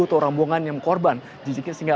atau rombongan yang korban jejaknya sehingga